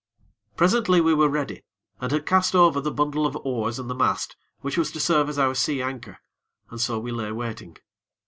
Presently we were ready, and had cast over the bundle of oars and the mast, which was to serve as our sea anchor, and so we lay waiting.